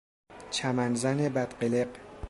چمن زن بد قلق